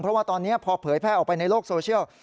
เพราะว่าตอนนี้พอเผยแพร่ออกไปในโลกโซเชียล